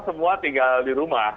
semua tinggal di rumah